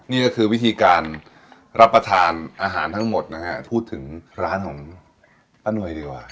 นี่ก็คือวิธีการรับประทานอาหารทั้งหมดนะฮะพูดถึงร้านของป้านวยดีกว่า